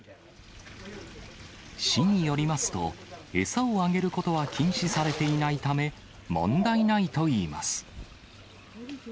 市によりますと、餌をあげることは禁止されていないため、問題ないといいます。